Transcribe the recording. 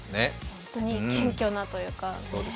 本当に謙虚なというか。